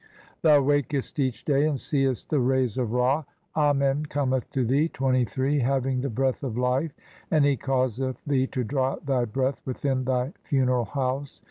Thou wakest each day and seest the "rays of Ra. Amen cometh to thee (23) having the "breath of life, and he causeth thee to draw thy "breath within thy funeral house.